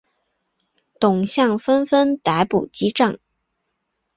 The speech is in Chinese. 董相纷纷逮捕击杖。